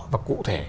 và cụ thể